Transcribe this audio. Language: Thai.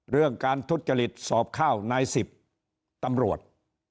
เรื่องการทุจริตสอบข้าวนาย๑๐ตำรวจ